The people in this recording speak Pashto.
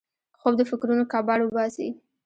خوب د فکرونو کباړ وباسي